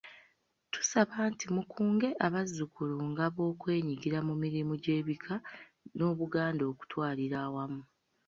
Tubasaba nti mukunge abazzukulu ng'abo okwenyigira mu mirimu gy'ebika n'Obuganda okutwalira awamu.